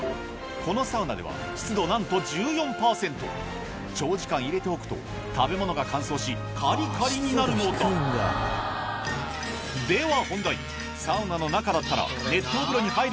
このサウナでは湿度なんと１４％長時間入れておくと食べ物が乾燥しカリカリになるのだでは